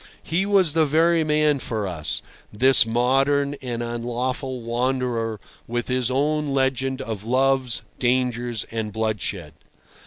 He was the very man for us, this modern and unlawful wanderer with his own legend of loves, dangers, and bloodshed.